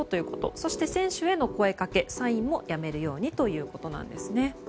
そして、選手への声かけサインもやめるようにということですね。